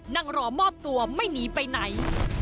นั่งรอมอบตัวไม่หนีไปไหน